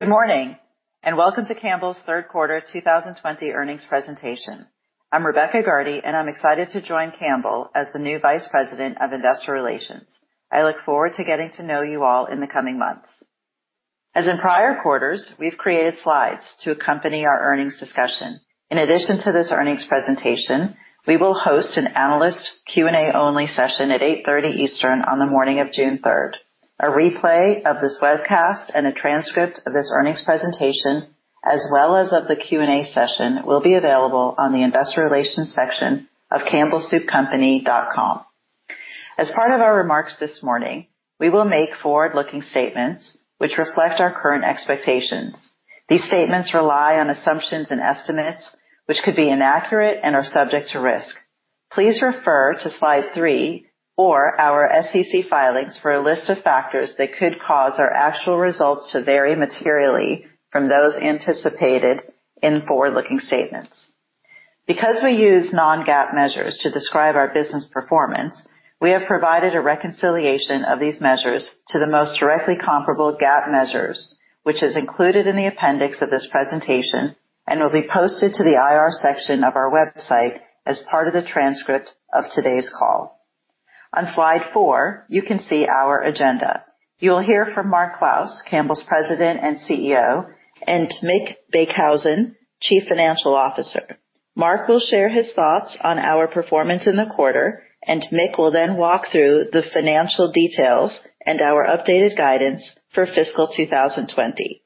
Good morning, and welcome to Campbell's third quarter 2020 earnings presentation. I'm Rebecca Gardy, and I'm excited to join Campbell as the new Vice President of Investor Relations. I look forward to getting to know you all in the coming months. As in prior quarters, we've created slides to accompany our earnings discussion. In addition to this earnings presentation, we will host an analyst Q&A only session at 8:30 Eastern on the morning of June 3rd. A replay of this webcast and a transcript of this earnings presentation, as well as of the Q&A session, will be available on the investor relations section of campbellsoupcompany.com. As part of our remarks this morning, we will make forward-looking statements which reflect our current expectations. These statements rely on assumptions and estimates, which could be inaccurate and are subject to risk. Please refer to Slide three or our SEC filings for a list of factors that could cause our actual results to vary materially from those anticipated in forward-looking statements. Because we use non-GAAP measures to describe our business performance, we have provided a reconciliation of these measures to the most directly comparable GAAP measures, which is included in the appendix of this presentation and will be posted to the IR section of our website as part of the transcript of today's call. On Slide four, you can see our agenda. You'll hear from Mark Clouse, Campbell's President and CEO, and Mick Beekhuizen, Chief Financial Officer. Mark will share his thoughts on our performance in the quarter. Mick will then walk through the financial details and our updated guidance for fiscal 2020.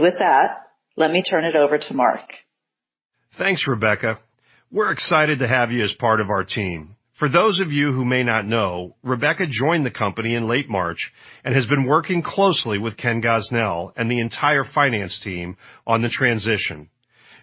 With that, let me turn it over to Mark. Thanks, Rebecca. We're excited to have you as part of our team. For those of you who may not know, Rebecca joined the company in late March and has been working closely with Ken Gosnell and the entire finance team on the transition.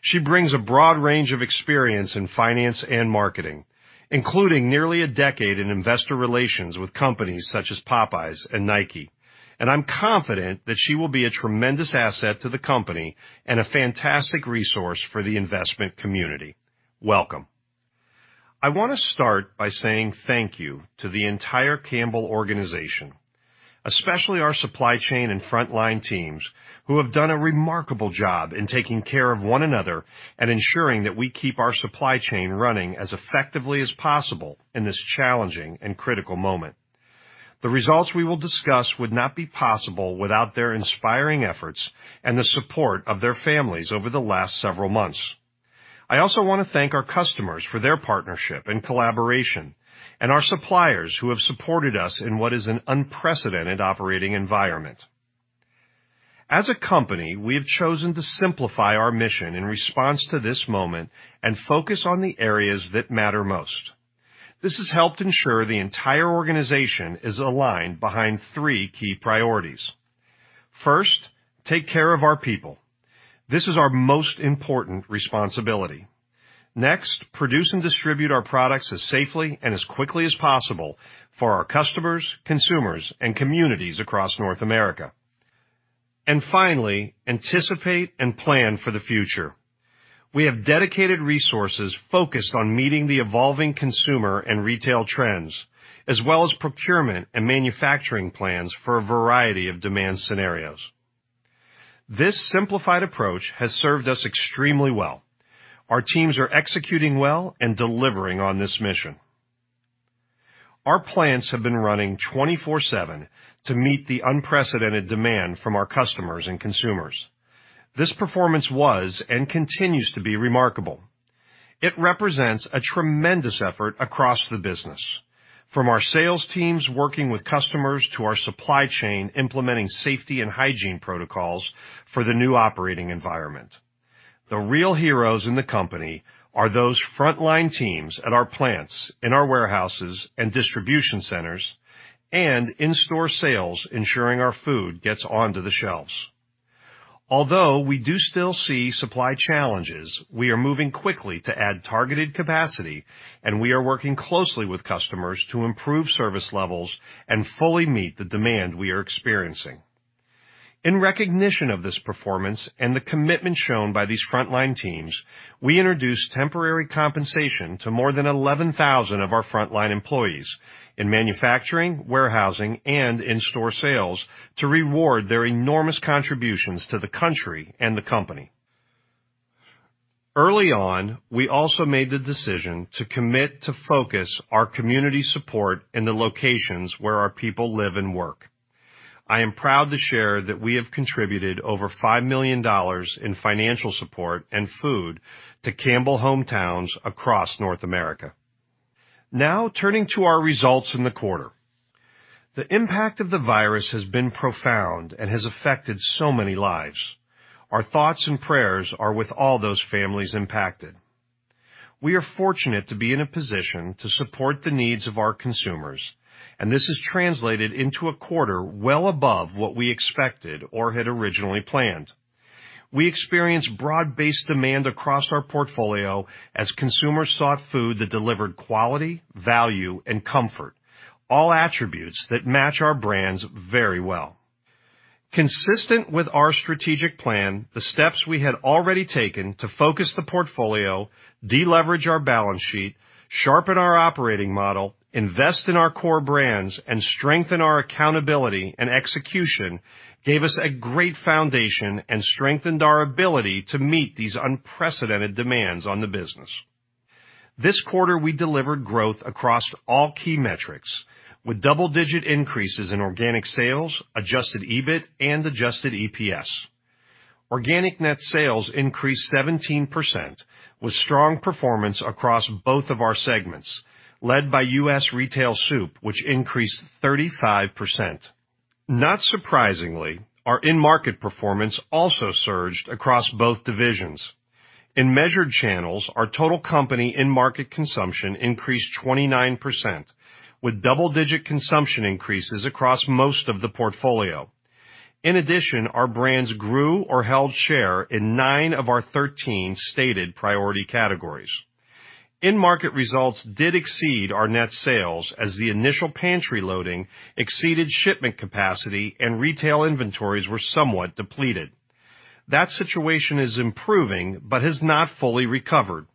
She brings a broad range of experience in finance and marketing, including nearly a decade in investor relations with companies such as Popeyes and Nike. I'm confident that she will be a tremendous asset to the company and a fantastic resource for the investment community. Welcome. I want to start by saying thank you to the entire Campbell organization, especially our supply chain and frontline teams, who have done a remarkable job in taking care of one another and ensuring that we keep our supply chain running as effectively as possible in this challenging and critical moment. The results we will discuss would not be possible without their inspiring efforts and the support of their families over the last several months. I also want to thank our customers for their partnership and collaboration, and our suppliers who have supported us in what is an unprecedented operating environment. As a company, we have chosen to simplify our mission in response to this moment and focus on the areas that matter most. This has helped ensure the entire organization is aligned behind three key priorities. First, take care of our people. This is our most important responsibility. Next, produce and distribute our products as safely and as quickly as possible for our customers, consumers, and communities across North America. Finally, anticipate and plan for the future. We have dedicated resources focused on meeting the evolving consumer and retail trends, as well as procurement and manufacturing plans for a variety of demand scenarios. This simplified approach has served us extremely well. Our teams are executing well and delivering on this mission. Our plants have been running 24/7 to meet the unprecedented demand from our customers and consumers. This performance was, and continues to be remarkable. It represents a tremendous effort across the business, from our sales teams working with customers to our supply chain implementing safety and hygiene protocols for the new operating environment. The real heroes in the company are those frontline teams at our plants, in our warehouses and distribution centers, and in-store sales ensuring our food gets onto the shelves. Although we do still see supply challenges, we are moving quickly to add targeted capacity, and we are working closely with customers to improve service levels and fully meet the demand we are experiencing. In recognition of this performance and the commitment shown by these frontline teams, we introduced temporary compensation to more than 11,000 of our frontline employees in manufacturing, warehousing, and in-store sales to reward their enormous contributions to the country and the company. Early on, we also made the decision to commit to focus our community support in the locations where our people live and work. I am proud to share that we have contributed over $5 million in financial support and food to Campbell hometowns across North America. Turning to our results in the quarter. The impact of the virus has been profound and has affected so many lives. Our thoughts and prayers are with all those families impacted. We are fortunate to be in a position to support the needs of our consumers, and this has translated into a quarter well above what we expected or had originally planned. We experienced broad-based demand across our portfolio as consumers sought food that delivered quality, value, and comfort, all attributes that match our brands very well. Consistent with our strategic plan, the steps we had already taken to focus the portfolio, deleverage our balance sheet, sharpen our operating model, invest in our core brands, and strengthen our accountability and execution, gave us a great foundation and strengthened our ability to meet these unprecedented demands on the business. This quarter we delivered growth across all key metrics with double-digit increases in organic sales, adjusted EBIT, and adjusted EPS. Organic net sales increased 17% with strong performance across both of our segments led by U.S. retail soup, which increased 35%. Not surprisingly, our in-market performance also surged across both divisions. In measured channels, our total company in-market consumption increased 29% with double-digit consumption increases across most of the portfolio. In addition, our brands grew or held share in 13 stated priority categories. In-market results did exceed our net sales as the initial pantry loading exceeded shipment capacity and retail inventories were somewhat depleted. That situation is improving but has not fully recovered.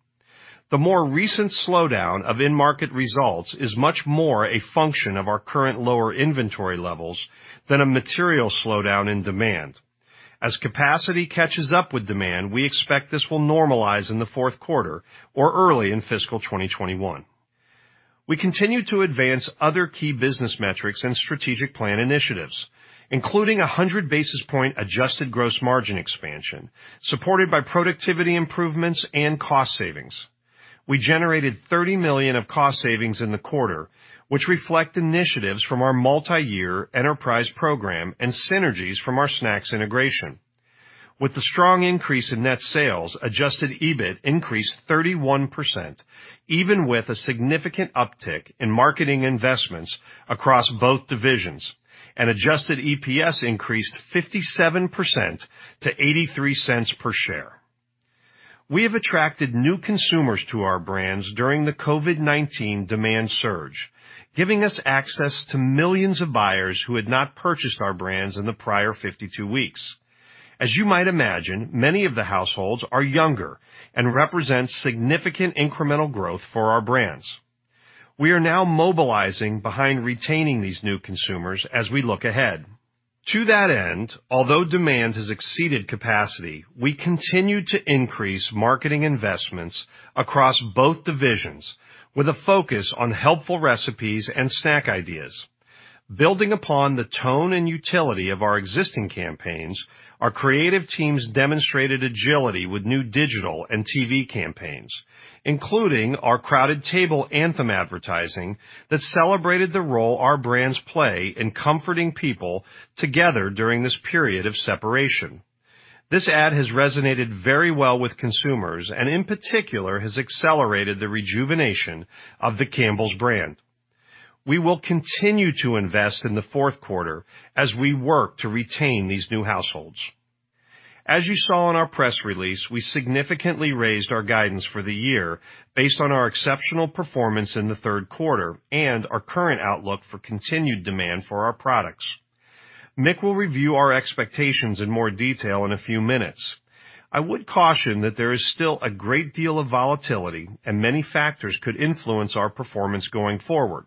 The more recent slowdown of in-market results is much more a function of our current lower inventory levels than a material slowdown in demand. As capacity catches up with demand, we expect this will normalize in the fourth quarter or early in fiscal 2021. We continue to advance other key business metrics and strategic plan initiatives, including 100 basis points adjusted gross margin expansion, supported by productivity improvements and cost savings. We generated $30 million of cost savings in the quarter, which reflect initiatives from our multi-year enterprise program and synergies from our snacks integration. With the strong increase in net sales, adjusted EBIT increased 31%, even with a significant uptick in marketing investments across both divisions, and adjusted EPS increased 57% to $0.83 per share. We have attracted new consumers to our brands during the COVID-19 demand surge, giving us access to millions of buyers who had not purchased our brands in the prior 52 weeks. As you might imagine, many of the households are younger and represent significant incremental growth for our brands. We are now mobilizing behind retaining these new consumers as we look ahead. To that end, although demand has exceeded capacity, we continue to increase marketing investments across both divisions with a focus on helpful recipes and snack ideas. Building upon the tone and utility of our existing campaigns, our creative teams demonstrated agility with new digital and TV campaigns, including our Crowded Table anthem advertising that celebrated the role our brands play in comforting people together during this period of separation. This ad has resonated very well with consumers, and in particular, has accelerated the rejuvenation of the Campbell's brand. We will continue to invest in the fourth quarter as we work to retain these new households. As you saw in our press release, we significantly raised our guidance for the year based on our exceptional performance in the third quarter and our current outlook for continued demand for our products. Mick will review our expectations in more detail in a few minutes. I would caution that there is still a great deal of volatility, and many factors could influence our performance going forward,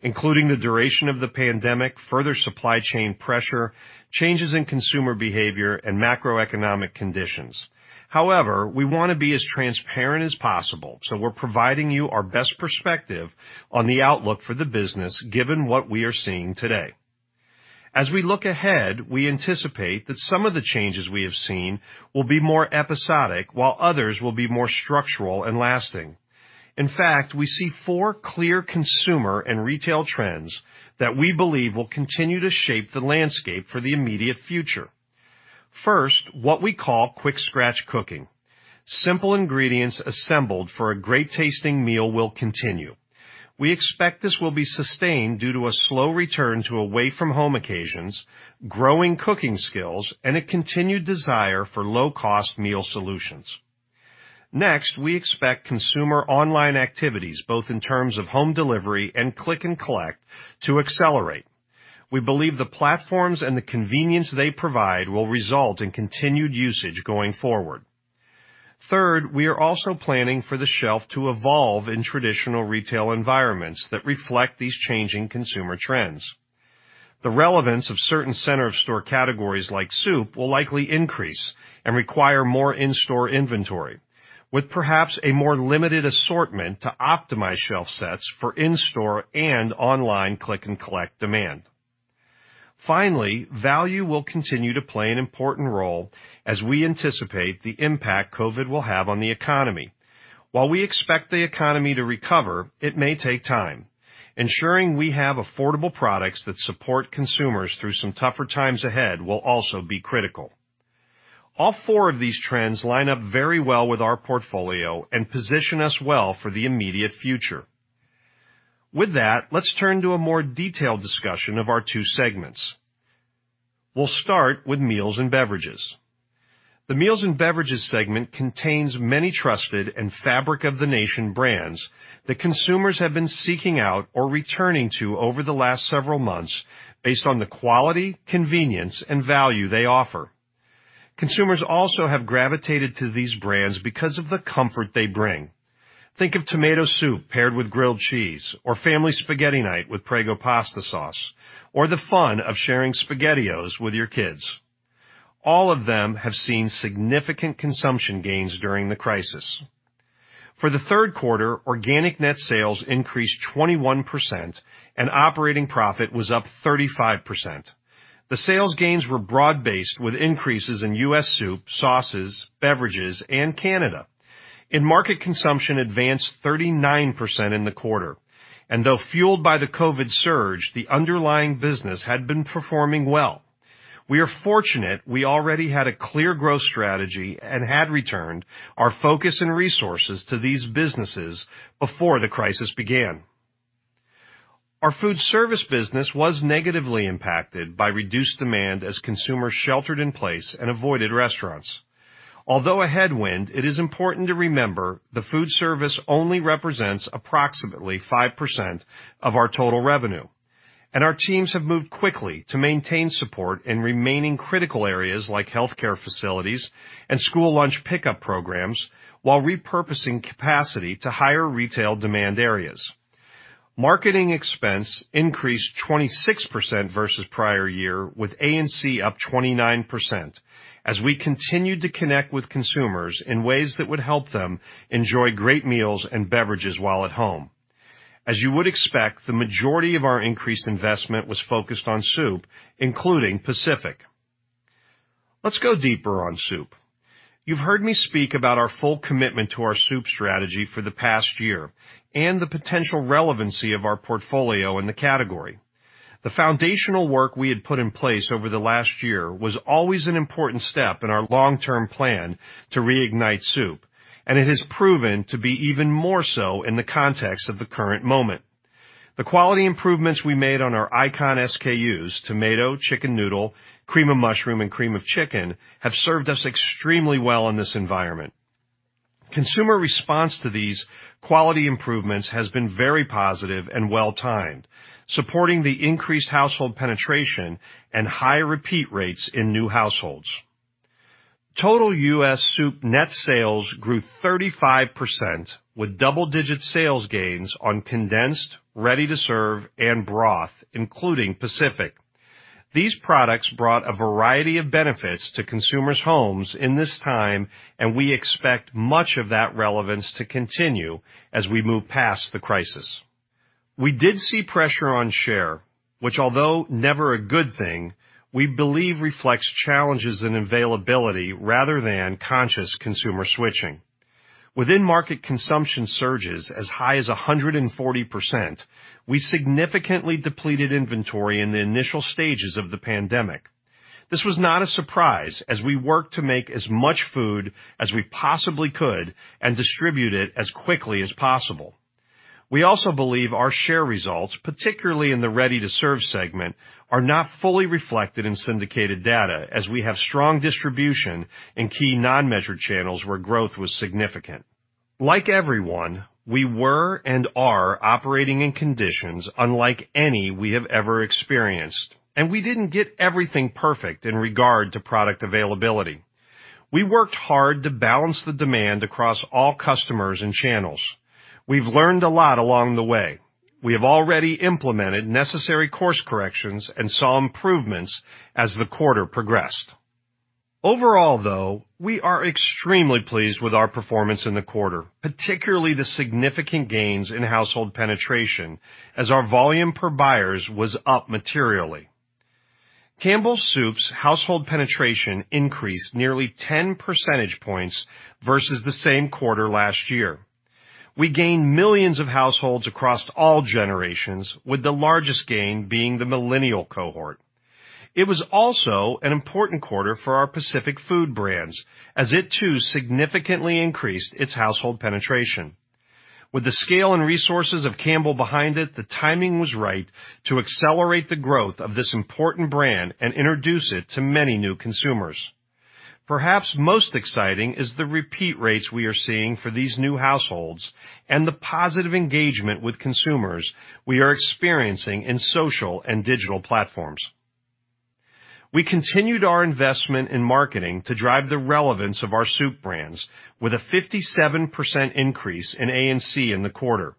including the duration of the pandemic, further supply chain pressure, changes in consumer behavior, and macroeconomic conditions. However, we want to be as transparent as possible, so we're providing you our best perspective on the outlook for the business given what we are seeing today. As we look ahead, we anticipate that some of the changes we have seen will be more episodic while others will be more structural and lasting. In fact, we see four clear consumer and retail trends that we believe will continue to shape the landscape for the immediate future. First, what we call quick scratch cooking. Simple ingredients assembled for a great-tasting meal will continue. We expect this will be sustained due to a slow return to away-from-home occasions, growing cooking skills, and a continued desire for low-cost meal solutions. Next, we expect consumer online activities, both in terms of home delivery and click and collect, to accelerate. We believe the platforms and the convenience they provide will result in continued usage going forward. Third, we are also planning for the shelf to evolve in traditional retail environments that reflect these changing consumer trends. The relevance of certain center-of-store categories like soup will likely increase and require more in-store inventory, with perhaps a more limited assortment to optimize shelf sets for in-store and online click and collect demand. Finally, value will continue to play an important role as we anticipate the impact COVID will have on the economy. While we expect the economy to recover, it may take time. Ensuring we have affordable products that support consumers through some tougher times ahead will also be critical. All four of these trends line up very well with our portfolio and position us well for the immediate future. With that, let's turn to a more detailed discussion of our two segments. We'll start with Meals and Beverages. The Meals and Beverages segment contains many trusted and fabric-of-the-nation brands that consumers have been seeking out or returning to over the last several months based on the quality, convenience, and value they offer. Consumers also have gravitated to these brands because of the comfort they bring. Think of Tomato soup paired with grilled cheese, or family spaghetti night with Prego pasta sauce, or the fun of sharing SpaghettiOs with your kids. All of them have seen significant consumption gains during the crisis. For the third quarter, organic net sales increased 21%, and operating profit was up 35%. The sales gains were broad-based, with increases in U.S. soup, sauces, beverages, and Canada. In market consumption advanced 39% in the quarter, and though fueled by the COVID surge, the underlying business had been performing well. We are fortunate we already had a clear growth strategy and had returned our focus and resources to these businesses before the crisis began. Our food service business was negatively impacted by reduced demand as consumers sheltered in place and avoided restaurants. Although a headwind, it is important to remember the food service only represents approximately 5% of our total revenue, and our teams have moved quickly to maintain support in remaining critical areas like healthcare facilities and school lunch pickup programs, while repurposing capacity to higher retail demand areas. Marketing expense increased 26% versus prior year, with A&C up 29%, as we continued to connect with consumers in ways that would help them enjoy great meals and beverages while at home. As you would expect, the majority of our increased investment was focused on soup, including Pacific. Let's go deeper on soup. You've heard me speak about our full commitment to our soup strategy for the past year and the potential relevancy of our portfolio in the category. The foundational work we had put in place over the last year was always an important step in our long-term plan to reignite soup, and it has proven to be even more so in the context of the current moment. The quality improvements we made on our icon SKUs, Tomato, Chicken Noodle, Cream of Mushroom, and Cream of Chicken, have served us extremely well in this environment. Consumer response to these quality improvements has been very positive and well-timed, supporting the increased household penetration and high repeat rates in new households. Total U.S. soup net sales grew 35% with double-digit sales gains on condensed, ready-to-serve, and broth, including Pacific. These products brought a variety of benefits to consumers' homes in this time. We expect much of that relevance to continue as we move past the crisis. We did see pressure on share, which although never a good thing, we believe reflects challenges in availability rather than conscious consumer switching. Within market consumption surges as high as 140%, we significantly depleted inventory in the initial stages of the pandemic. This was not a surprise as we worked to make as much food as we possibly could and distribute it as quickly as possible. We also believe our share results, particularly in the ready-to-serve segment, are not fully reflected in syndicated data, as we have strong distribution in key non-measured channels where growth was significant. Like everyone, we were and are operating in conditions unlike any we have ever experienced, and we didn't get everything perfect in regard to product availability. We worked hard to balance the demand across all customers and channels. We've learned a lot along the way. We have already implemented necessary course corrections and saw improvements as the quarter progressed. Overall, though, we are extremely pleased with our performance in the quarter, particularly the significant gains in household penetration as our volume per buyers was up materially. Campbell's Soup's household penetration increased nearly 10 percentage points versus the same quarter last year. We gained millions of households across all generations, with the largest gain being the millennial cohort. It was also an important quarter for our Pacific food brands, as it too significantly increased its household penetration. With the scale and resources of Campbell behind it, the timing was right to accelerate the growth of this important brand and introduce it to many new consumers. Perhaps most exciting is the repeat rates we are seeing for these new households and the positive engagement with consumers we are experiencing in social and digital platforms. We continued our investment in marketing to drive the relevance of our soup brands with a 57% increase in A&C in the quarter.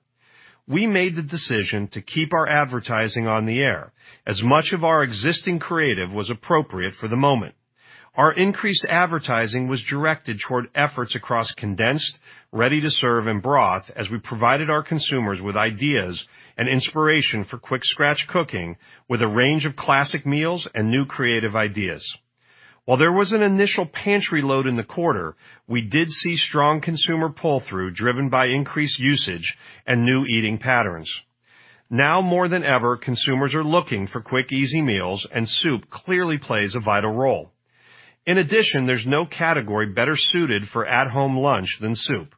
We made the decision to keep our advertising on the air as much of our existing creative was appropriate for the moment. Our increased advertising was directed toward efforts across condensed, ready-to-serve, and broth as we provided our consumers with ideas and inspiration for quick scratch cooking with a range of classic meals and new creative ideas. While there was an initial pantry load in the quarter, we did see strong consumer pull-through driven by increased usage and new eating patterns. Now more than ever, consumers are looking for quick, easy meals, and soup clearly plays a vital role. In addition, there's no category better suited for at home lunch than soup.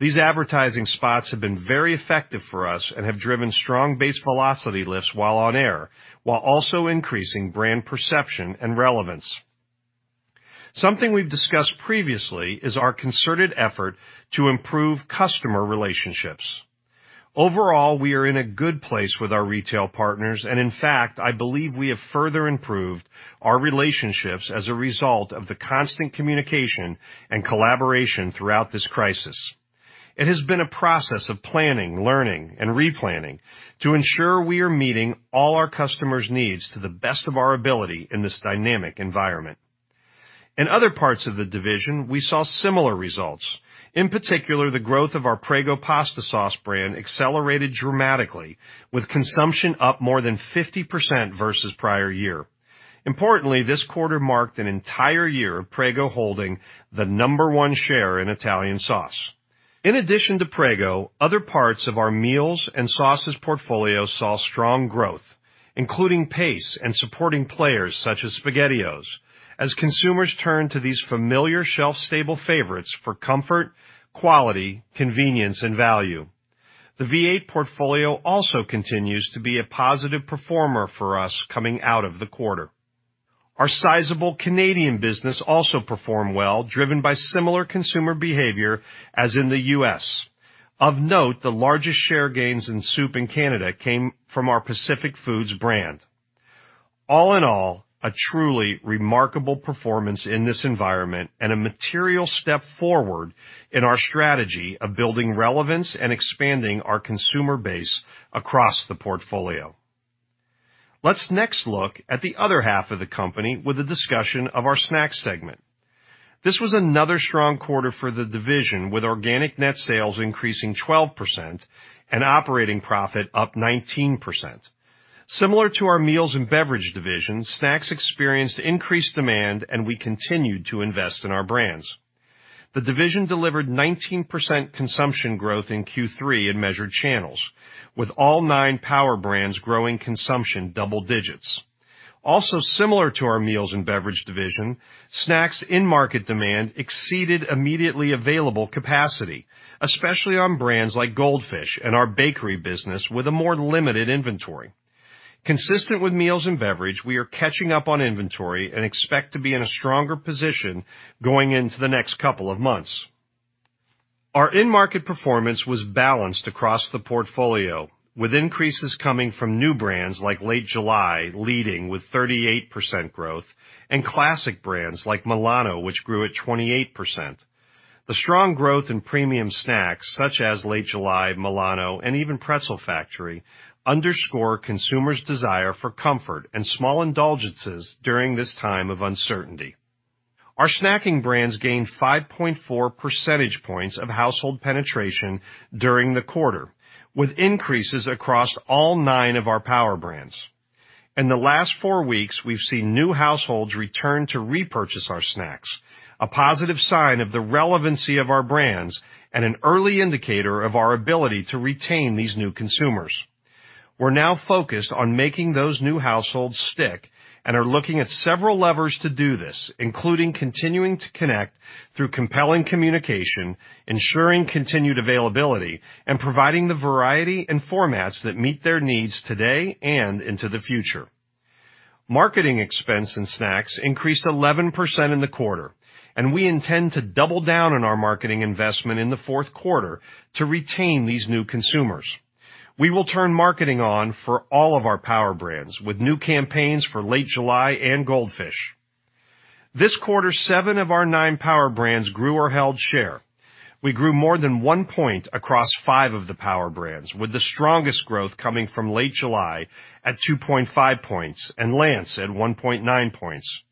These advertising spots have been very effective for us and have driven strong base velocity lifts while on air, while also increasing brand perception and relevance. Something we've discussed previously is our concerted effort to improve customer relationships. Overall, we are in a good place with our retail partners. In fact, I believe we have further improved our relationships as a result of the constant communication and collaboration throughout this crisis. It has been a process of planning, learning, and replanning to ensure we are meeting all our customers' needs to the best of our ability in this dynamic environment. In other parts of the division, we saw similar results. In particular, the growth of our Prego pasta sauce brand accelerated dramatically with consumption up more than 50% versus prior year. Importantly, this quarter marked an entire year of Prego holding the number one share in Italian sauce. In addition to Prego, other parts of our meals and sauces portfolio saw strong growth, including Pace and supporting players such as SpaghettiOs, as consumers turn to these familiar shelf stable favorites for comfort, quality, convenience, and value. The V8 portfolio also continues to be a positive performer for us coming out of the quarter. Our sizable Canadian business also performed well, driven by similar consumer behavior as in the U.S. Of note, the largest share gains in soup in Canada came from our Pacific Foods brand. All in all, a truly remarkable performance in this environment and a material step forward in our strategy of building relevance and expanding our consumer base across the portfolio. Let's next look at the other half of the company with a discussion of our snacks segment. This was another strong quarter for the division, with organic net sales increasing 12% and operating profit up 19%. Similar to our meals and beverage division, snacks experienced increased demand, and we continued to invest in our brands. The division delivered 19% consumption growth in Q3 in measured channels, with all nine power brands growing consumption double digits. Similar to our meals and beverage division, snacks in-market demand exceeded immediately available capacity, especially on brands like Goldfish and our bakery business with a more limited inventory. Consistent with meals and beverage, we are catching up on inventory and expect to be in a stronger position going into the next couple of months. Our in-market performance was balanced across the portfolio, with increases coming from new brands like Late July leading with 38% growth and classic brands like Milano, which grew at 28%. The strong growth in premium snacks such as Late July, Milano, and even Snack Factory underscore consumers' desire for comfort and small indulgences during this time of uncertainty. Our snacking brands gained 5.4 percentage points of household penetration during the quarter, with increases across all nine of our power brands. In the last four weeks, we've seen new households return to repurchase our snacks, a positive sign of the relevancy of our brands and an early indicator of our ability to retain these new consumers. We're now focused on making those new households stick and are looking at several levers to do this, including continuing to connect through compelling communication, ensuring continued availability, and providing the variety and formats that meet their needs today and into the future. Marketing expense and snacks increased 11% in the quarter, and we intend to double down on our marketing investment in the fourth quarter to retain these new consumers. We will turn marketing on for all of our power brands with new campaigns for Late July and Goldfish. This quarter, seven of our nine power brands grew or held share. We grew more than one point across five of the power brands, with the strongest growth coming from Late July at 2.5 points and Lance at 1.9 points.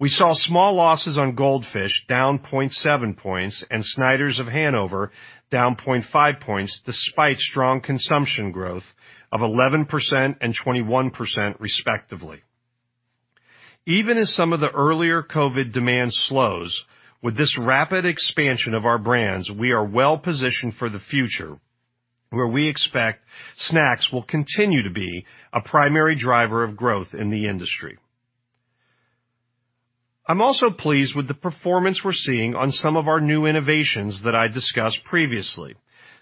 We saw small losses on Goldfish, down 0.7 points, and Snyder's of Hanover, down 0.5 points, despite strong consumption growth of 11% and 21% respectively. Even as some of the earlier COVID demand slows, with this rapid expansion of our brands, we are well positioned for the future, where we expect snacks will continue to be a primary driver of growth in the industry. I'm also pleased with the performance we're seeing on some of our new innovations that I discussed previously,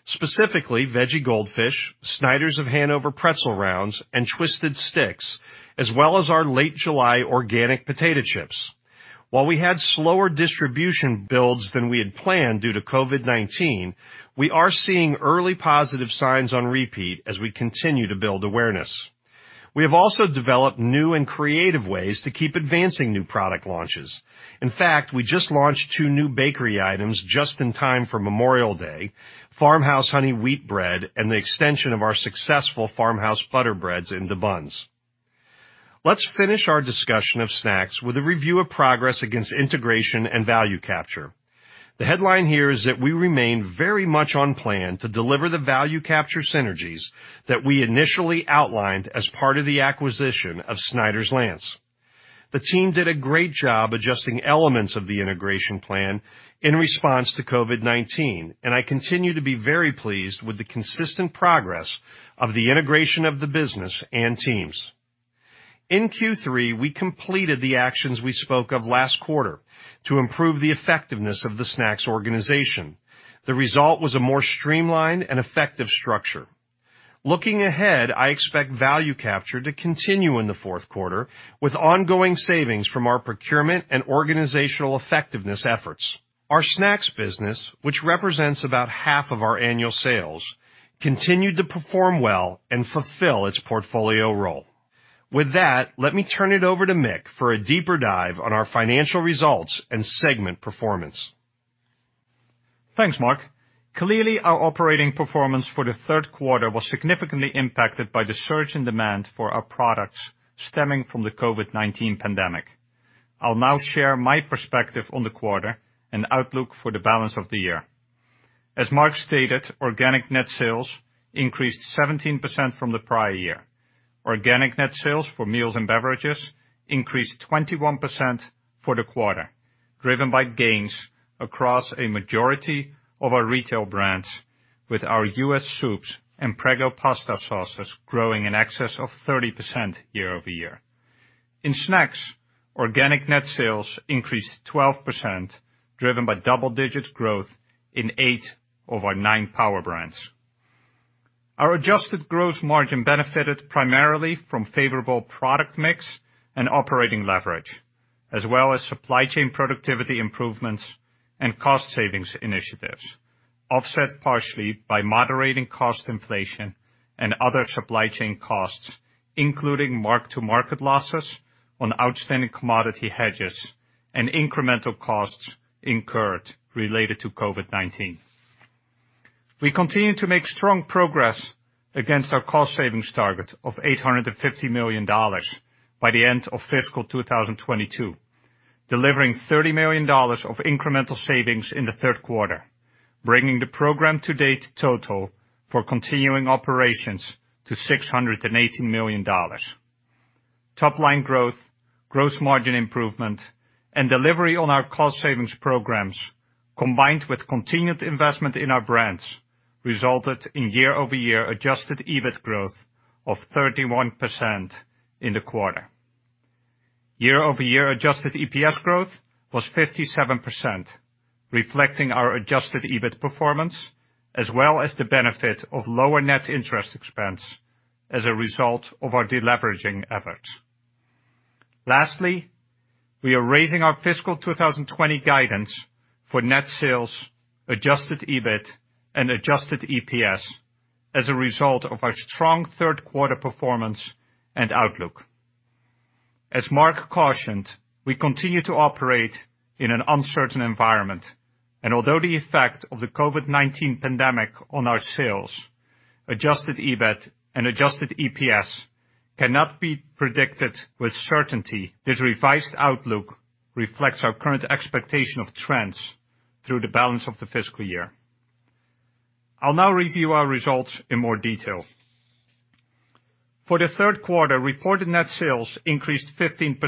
specifically Veggie Goldfish, Snyder's of Hanover pretzel rounds, and Twisted Sticks, as well as our Late July organic potato chips. While we had slower distribution builds than we had planned due to COVID-19, we are seeing early positive signs on repeat as we continue to build awareness. We have also developed new and creative ways to keep advancing new product launches. In fact, we just launched two new bakery items just in time for Memorial Day, Farmhouse Honey Wheat bread, and the extension of our successful Farmhouse Butter Breads into buns. Let's finish our discussion of snacks with a review of progress against integration and value capture. The headline here is that we remain very much on plan to deliver the value capture synergies that we initially outlined as part of the acquisition of Snyder's-Lance. The team did a great job adjusting elements of the integration plan in response to COVID-19, and I continue to be very pleased with the consistent progress of the integration of the business and teams. In Q3, we completed the actions we spoke of last quarter to improve the effectiveness of the snacks organization. The result was a more streamlined and effective structure. Looking ahead, I expect value capture to continue in the fourth quarter with ongoing savings from our procurement and organizational effectiveness efforts. Our snacks business, which represents about half of our annual sales, continued to perform well and fulfill its portfolio role. With that, let me turn it over to Mick for a deeper dive on our financial results and segment performance. Thanks, Mark. Clearly, our operating performance for the third quarter was significantly impacted by the surge in demand for our products stemming from the COVID-19 pandemic. I'll now share my perspective on the quarter and outlook for the balance of the year. As Mark stated, organic net sales increased 17% from the prior year. Organic net sales for meals and beverages increased 21% for the quarter, driven by gains across a majority of our retail brands, with our U.S. soups and Prego pasta sauces growing in excess of 30% year-over-year. In snacks, organic net sales increased 12%, driven by double-digit growth in eight of our nine power brands. Our adjusted gross margin benefited primarily from favorable product mix and operating leverage, as well as supply chain productivity improvements and cost savings initiatives, offset partially by moderating cost inflation and other supply chain costs, including mark-to-market losses on outstanding commodity hedges and incremental costs incurred related to COVID-19. We continue to make strong progress against our cost savings target of $850 million by the end of fiscal 2022, delivering $30 million of incremental savings in the third quarter, bringing the program to date total for continuing operations to $68 million. Top line growth, gross margin improvement, and delivery on our cost savings programs, combined with continued investment in our brands, resulted in year-over-year adjusted EBIT growth of 31% in the quarter. Year-over-year adjusted EPS growth was 57%, reflecting our adjusted EBIT performance, as well as the benefit of lower net interest expense as a result of our deleveraging efforts. Lastly, we are raising our fiscal 2020 guidance for net sales, adjusted EBIT, and adjusted EPS as a result of our strong third quarter performance and outlook. As Mark cautioned, we continue to operate in an uncertain environment, and although the effect of the COVID-19 pandemic on our sales, adjusted EBIT and adjusted EPS cannot be predicted with certainty, this revised outlook reflects our current expectation of trends through the balance of the fiscal year. I'll now review our results in more detail. For the third quarter, reported net sales increased 15%.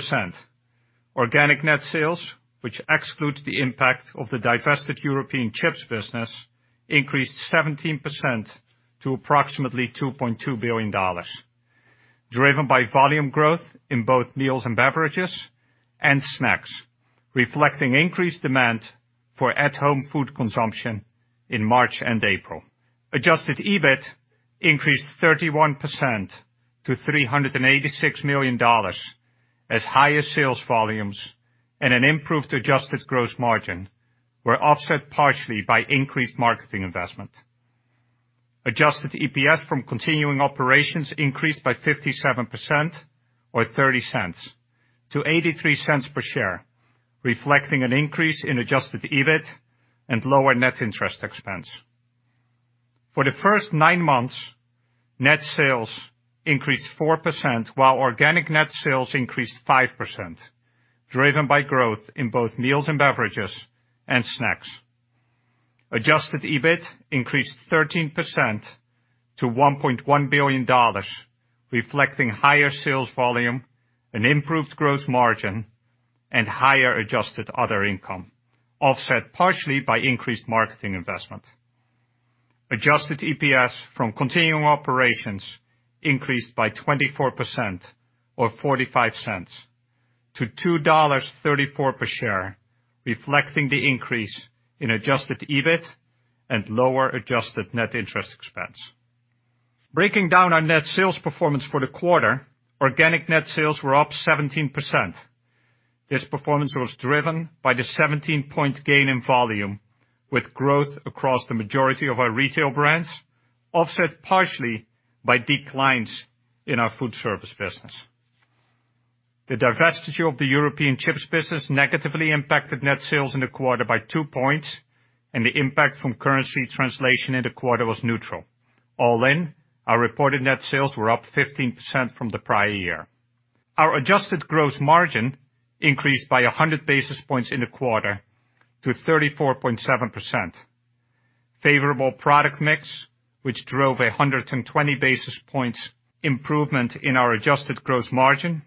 Organic net sales, which excludes the impact of the divested European chips business, increased 17% to approximately $2.2 billion, driven by volume growth in both meals and beverages and snacks, reflecting increased demand for at-home food consumption in March and April. Adjusted EBIT increased 31% to $386 million as higher sales volumes and an improved adjusted gross margin were offset partially by increased marketing investment. Adjusted EPS from continuing operations increased by 57%, or $0.30, to $0.83 per share, reflecting an increase in adjusted EBIT and lower net interest expense. For the first nine months, net sales increased 4%, while organic net sales increased 5%, driven by growth in both meals and beverages and snacks. Adjusted EBIT increased 13% to $1.1 billion, reflecting higher sales volume and improved gross margin, and higher adjusted other income, offset partially by increased marketing investment. Adjusted EPS from continuing operations increased by 24%, or $0.45, to $2.34 per share, reflecting the increase in adjusted EBIT and lower adjusted net interest expense. Breaking down our net sales performance for the quarter, organic net sales were up 17%. This performance was driven by the 17 point gain in volume, with growth across the majority of our retail brands, offset partially by declines in our food service business. The divestiture of the European chips business negatively impacted net sales in the quarter by two points, and the impact from currency translation in the quarter was neutral. All in, our reported net sales were up 15% from the prior year. Our adjusted gross margin increased by 100 basis points in the quarter to 34.7%. Favorable product mix, which drove a 120 basis points improvement in our adjusted gross margin,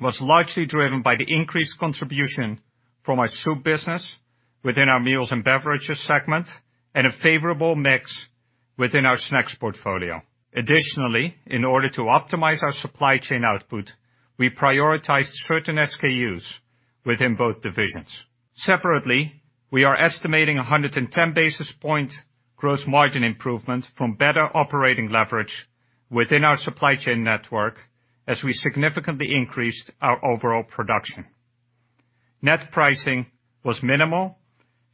was largely driven by the increased contribution from our soup business within our meals and beverages segment and a favorable mix within our snacks portfolio. Additionally, in order to optimize our supply chain output, we prioritized certain SKUs within both divisions. Separately, we are estimating 110 basis points gross margin improvement from better operating leverage within our supply chain network as we significantly increased our overall production. Net pricing was minimal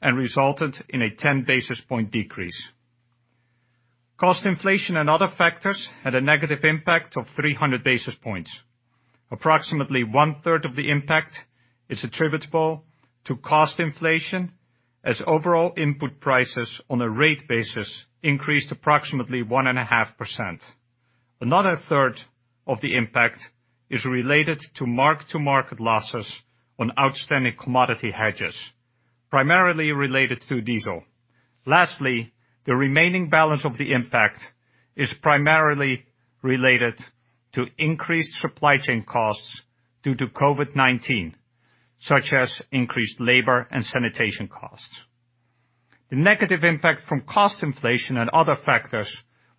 and resulted in a 10 basis point decrease. Cost inflation and other factors had a negative impact of 300 basis points. Approximately one-third of the impact is attributable to cost inflation as overall input prices on a rate basis increased approximately 1.5%. Another third of the impact is related to mark-to-market losses on outstanding commodity hedges, primarily related to diesel. Lastly, the remaining balance of the impact is primarily related to increased supply chain costs due to COVID-19, such as increased labor and sanitation costs. The negative impact from cost inflation and other factors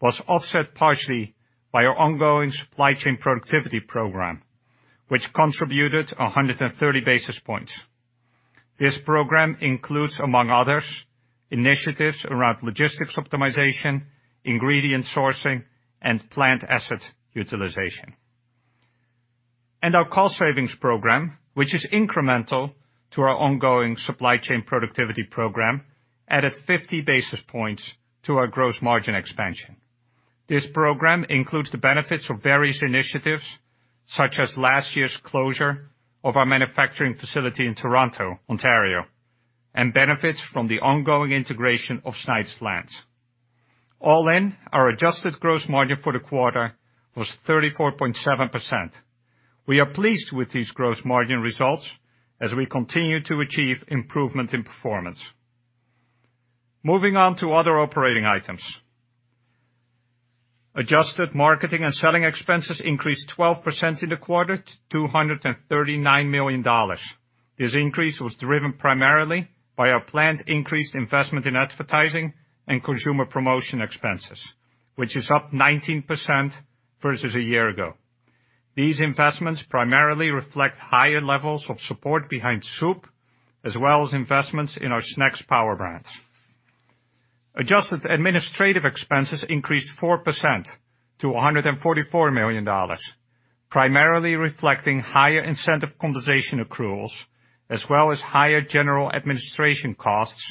was offset partially by our ongoing supply chain productivity program, which contributed 130 basis points. This program includes, among others, initiatives around logistics optimization, ingredient sourcing, and plant asset utilization. Our cost savings program, which is incremental to our ongoing supply chain productivity program, added 50 basis points to our gross margin expansion. This program includes the benefits of various initiatives, such as last year's closure of our manufacturing facility in Toronto, Ontario, and benefits from the ongoing integration of Snyder's-Lance. All in, our adjusted gross margin for the quarter was 34.7%. We are pleased with these gross margin results as we continue to achieve improvement in performance. Moving on to other operating items. Adjusted marketing and selling expenses increased 12% in the quarter to $239 million. This increase was driven primarily by our planned increased investment in advertising and consumer promotion expenses, which is up 19% versus a year ago. These investments primarily reflect higher levels of support behind soup, as well as investments in our snacks power brands. Adjusted administrative expenses increased 4% to $144 million, primarily reflecting higher incentive compensation accruals as well as higher general administration costs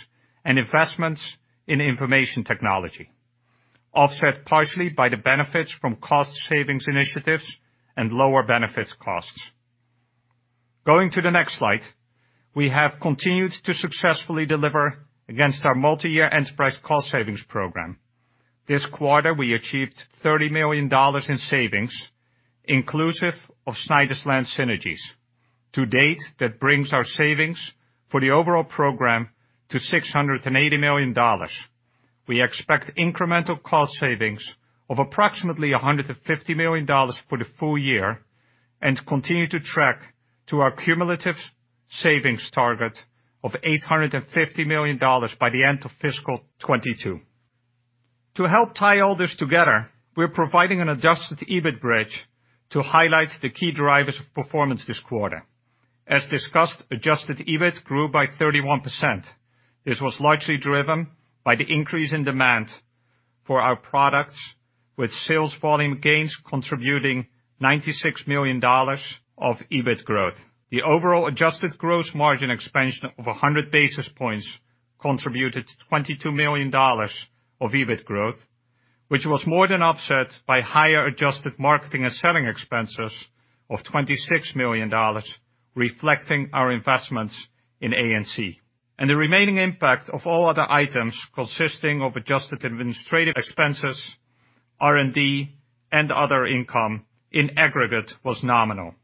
and investments in information technology, offset partially by the benefits from cost savings initiatives and lower benefits costs. Going to the next slide, we have continued to successfully deliver against our multi-year enterprise cost savings program. This quarter, we achieved $30 million in savings, inclusive of Snyder's-Lance synergies. To date, that brings our savings for the overall program to $680 million. We expect incremental cost savings of approximately $150 million for the full year and continue to track to our cumulative savings target of $850 million by the end of fiscal 2022. To help tie all this together, we're providing an adjusted EBIT bridge to highlight the key drivers of performance this quarter. As discussed, adjusted EBIT grew by 31%. This was largely driven by the increase in demand for our products, with sales volume gains contributing $96 million of EBIT growth. The overall adjusted gross margin expansion of 100 basis points contributed to $22 million of EBIT growth, which was more than offset by higher adjusted marketing and selling expenses of $26 million, reflecting our investments in A&C. The remaining impact of all other items consisting of adjusted administrative expenses, R&D, and other income in aggregate was nominal.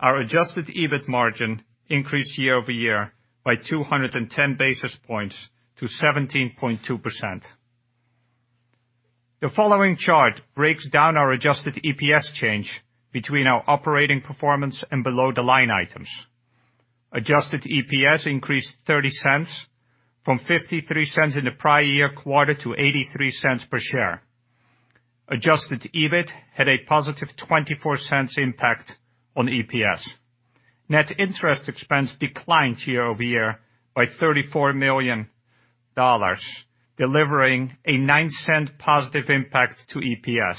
Our adjusted EBIT margin increased year-over-year by 210 basis points to 17.2%. The following chart breaks down our adjusted EPS change between our operating performance and below the line items. Adjusted EPS increased $0.30 from $0.53 in the prior year quarter to $0.83 per share. Adjusted EBIT had a positive $0.24 impact on EPS. Net interest expense declined year-over-year by $34 million, delivering a $0.09 positive impact to EPS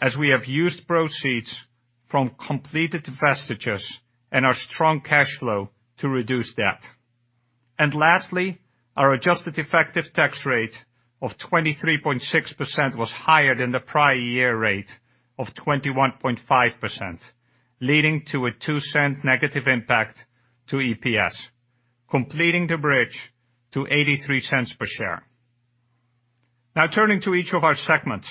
as we have used proceeds from completed divestitures and our strong cash flow to reduce debt. Lastly, our adjusted effective tax rate of 23.6% was higher than the prior year rate of 21.5%, leading to a $0.02 negative impact to EPS, completing the bridge to $0.83 per share. Now turning to each of our segments.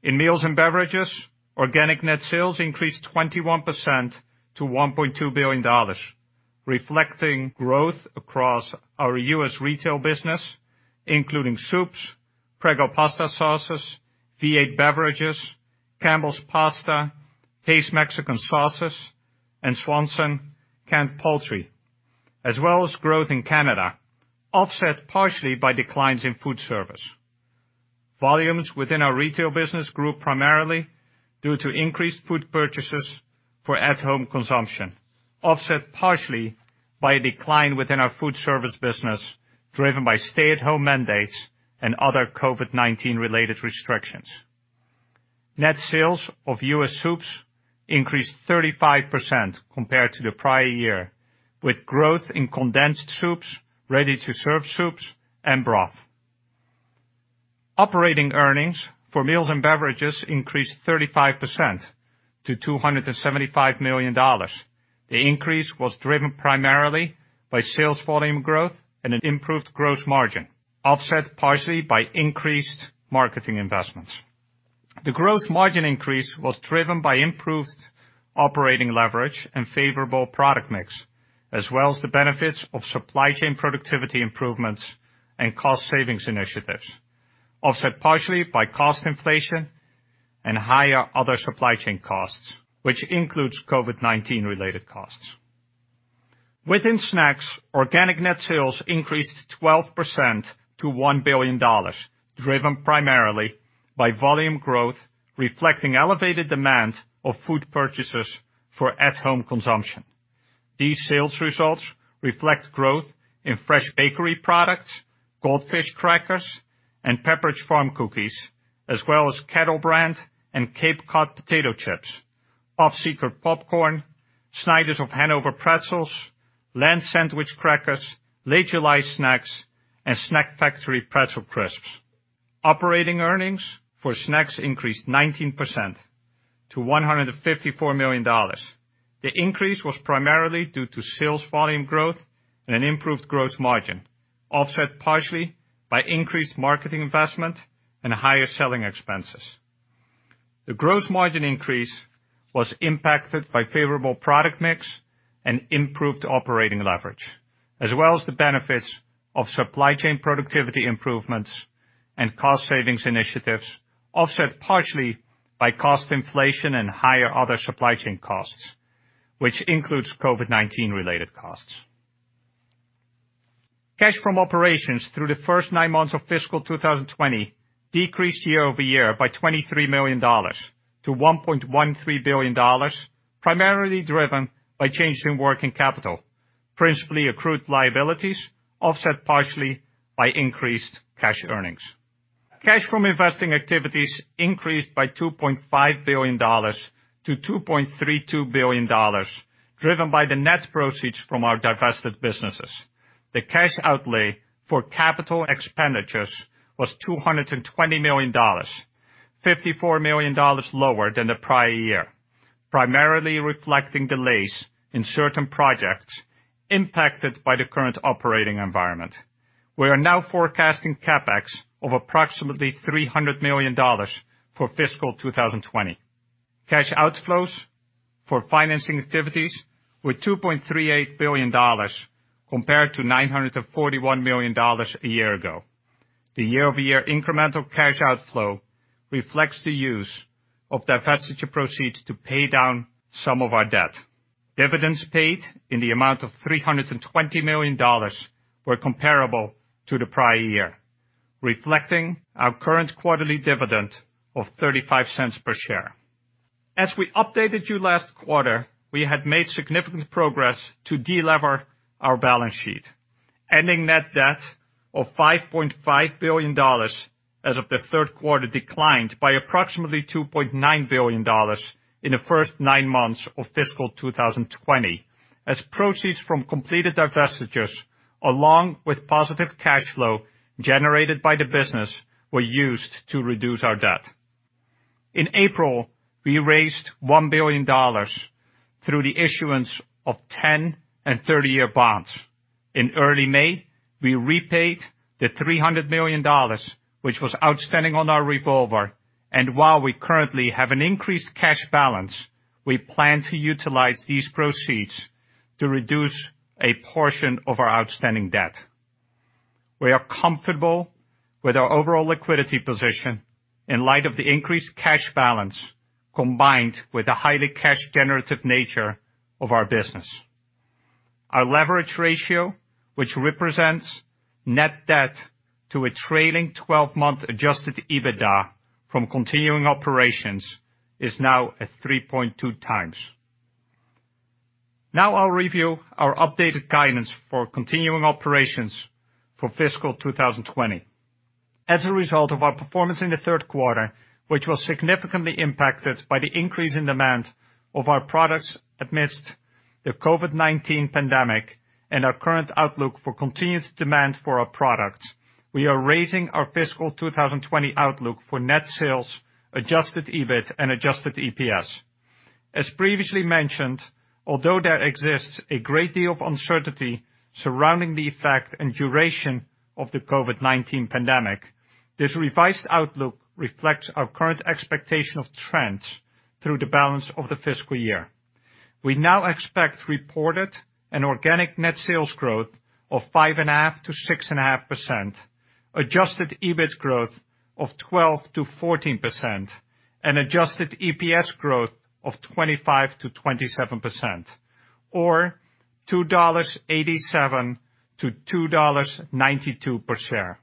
In meals and beverages, organic net sales increased 21% to $1.2 billion, reflecting growth across our U.S. retail business, including soups, Prego pasta sauces, V8 beverages, Campbell's Pasta, Pace Mexican sauces, and Swanson canned poultry, as well as growth in Canada, offset partially by declines in food service. Volumes within our retail business grew primarily due to increased food purchases for at-home consumption, offset partially by a decline within our food service business, driven by stay-at-home mandates and other COVID-19 related restrictions. Net sales of U.S. soups increased 35% compared to the prior year, with growth in condensed soups, ready-to-serve soups and broth. Operating earnings for meals and beverages increased 35% to $275 million. The increase was driven primarily by sales volume growth and an improved gross margin, offset partially by increased marketing investments. The gross margin increase was driven by improved operating leverage and favorable product mix, as well as the benefits of supply chain productivity improvements and cost savings initiatives, offset partially by cost inflation and higher other supply chain costs, which includes COVID-19 related costs. Within snacks, organic net sales increased 12% to $1 billion, driven primarily by volume growth, reflecting elevated demand of food purchases for at-home consumption. These sales results reflect growth in fresh bakery products, Goldfish crackers, and Pepperidge Farm cookies, as well as Kettle Brand and Cape Cod potato chips, Pop Secret popcorn, Snyder's of Hanover pretzels, Lance sandwich crackers, Late July snacks, and Snack Factory Pretzel Crisps. Operating earnings for snacks increased 19% to $154 million. The increase was primarily due to sales volume growth and an improved gross margin, offset partially by increased marketing investment and higher selling expenses. The gross margin increase was impacted by favorable product mix and improved operating leverage, as well as the benefits of supply chain productivity improvements and cost savings initiatives, offset partially by cost inflation and higher other supply chain costs, which includes COVID-19 related costs. Cash from operations through the first nine months of fiscal 2020 decreased year-over-year by $23 million-$1.13 billion, primarily driven by changes in working capital, principally accrued liabilities, offset partially by increased cash earnings. Cash from investing activities increased by $2.5 billion-$2.32 billion, driven by the net proceeds from our divested businesses. The cash outlay for capital expenditures was $220 million, $54 million lower than the prior year, primarily reflecting delays in certain projects impacted by the current operating environment. We are now forecasting CapEx of approximately $300 million for fiscal 2020. Cash outflows for financing activities were $2.38 billion compared to $941 million a year ago. The year-over-year incremental cash outflow reflects the use of divestiture proceeds to pay down some of our debt. Dividends paid in the amount of $320 million were comparable to the prior year, reflecting our current quarterly dividend of $0.35 per share. As we updated you last quarter, we had made significant progress to de-lever our balance sheet. Ending net debt of $5.5 billion as of the third quarter declined by approximately $2.9 billion in the first nine months of fiscal 2020, as proceeds from completed divestitures, along with positive cash flow generated by the business, were used to reduce our debt. In April, we raised $1 billion through the issuance of 10 and 30-year bonds. In early May, we repaid the $300 million, which was outstanding on our revolver. While we currently have an increased cash balance, we plan to utilize these proceeds to reduce a portion of our outstanding debt. We are comfortable with our overall liquidity position in light of the increased cash balance, combined with the highly cash-generative nature of our business. Our leverage ratio, which represents net debt to a trailing 12-month adjusted EBITDA from continuing operations, is now at 3.2 times. I'll review our updated guidance for continuing operations for fiscal 2020. As a result of our performance in the third quarter, which was significantly impacted by the increase in demand of our products amidst the COVID-19 pandemic and our current outlook for continued demand for our products, we are raising our fiscal 2020 outlook for net sales, adjusted EBIT, and adjusted EPS. As previously mentioned, although there exists a great deal of uncertainty surrounding the effect and duration of the COVID-19 pandemic, this revised outlook reflects our current expectation of trends through the balance of the fiscal year. We now expect reported and organic net sales growth of 5.5%-6.5%, adjusted EBIT growth of 12%-14%, and adjusted EPS growth of 25%-27%, or $2.87-$2.92 per share.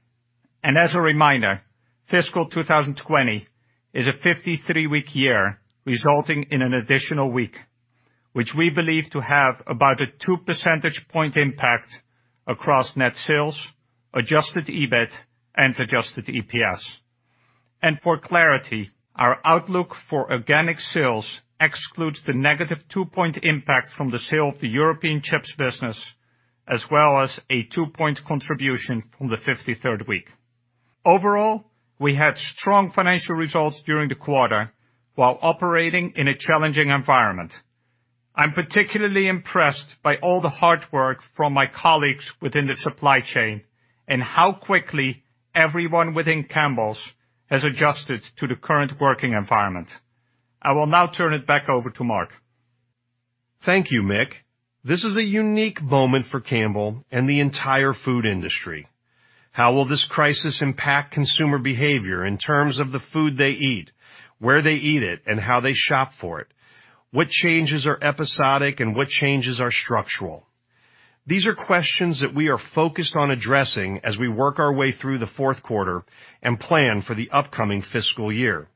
As a reminder, fiscal 2020 is a 53-week year, resulting in an additional week, which we believe to have about a 2 percentage point impact across net sales, adjusted EBIT, and adjusted EPS. For clarity, our outlook for organic sales excludes the negative two-point impact from the sale of the European chips business, as well as a two-point contribution from the 53rd week. Overall, we had strong financial results during the quarter while operating in a challenging environment. I'm particularly impressed by all the hard work from my colleagues within the supply chain and how quickly everyone within Campbell's has adjusted to the current working environment. I will now turn it back over to Mark. Thank you, Mick. This is a unique moment for Campbell and the entire food industry. How will this crisis impact consumer behavior in terms of the food they eat, where they eat it, and how they shop for it? What changes are episodic, and what changes are structural? These are questions that we are focused on addressing as we work our way through the fourth quarter and plan for the upcoming fiscal year,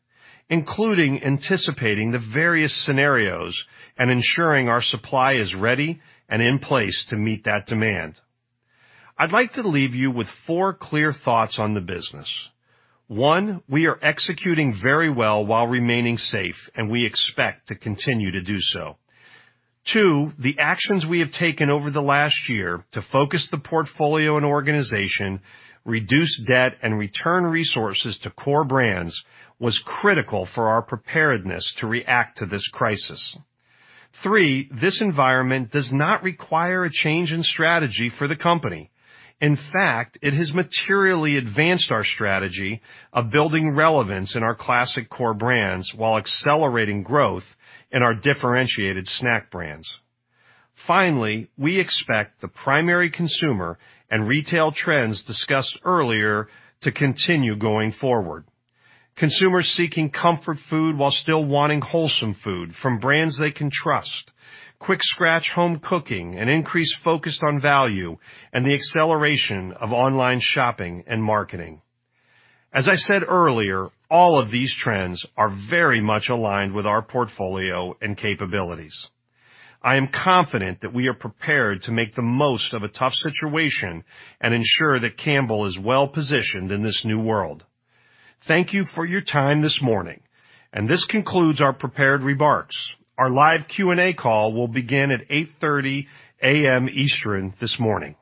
including anticipating the various scenarios and ensuring our supply is ready and in place to meet that demand. I'd like to leave you with four clear thoughts on the business. One, we are executing very well while remaining safe, and we expect to continue to do so. Two, the actions we have taken over the last year to focus the portfolio and organization, reduce debt, and return resources to core brands was critical for our preparedness to react to this crisis. Three, this environment does not require a change in strategy for the company. In fact, it has materially advanced our strategy of building relevance in our classic core brands while accelerating growth in our differentiated snack brands. Finally, we expect the primary consumer and retail trends discussed earlier to continue going forward. Consumers seeking comfort food while still wanting wholesome food from brands they can trust, quick scratch home cooking, an increased focus on value, and the acceleration of online shopping and marketing. As I said earlier, all of these trends are very much aligned with our portfolio and capabilities. I am confident that we are prepared to make the most of a tough situation and ensure that Campbell is well positioned in this new world. Thank you for your time this morning. This concludes our prepared remarks. Our live Q&A call will begin at 8:30 A.M. Eastern this morning.